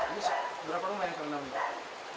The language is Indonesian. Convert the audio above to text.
ini berapa rumah yang selalu nanggung